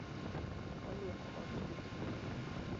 Oluoko ot gokinyi.